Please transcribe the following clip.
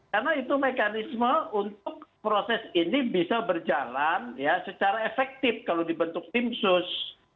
karena itu mekanisme untuk proses ini bisa berjalan ya secara efektif kalau dibentuk tim sus